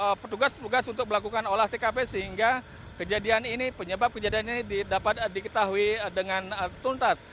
ada petugas petugas untuk melakukan olah tkp sehingga kejadian ini penyebab kejadian ini dapat diketahui dengan tuntas